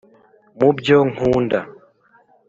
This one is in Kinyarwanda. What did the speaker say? mubyo nkunda.